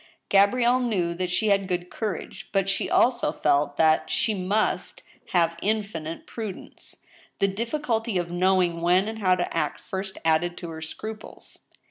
Gabrielle knew that she had good courage, but she also felt that ANOTHER VERDICT. " 225 she must have infinite prudence. The difficulty of knowing when and how to act first added to her scniples.